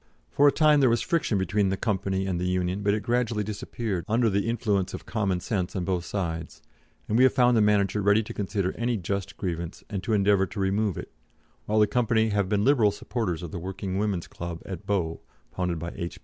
For a time there was friction between the Company and the Union, but it gradually disappeared under the influence of common sense on both sides, and we have found the manager ready to consider any just grievance and to endeavour to remove it, while the Company have been liberal supporters of the Working Women's Club at Bow, founded by H.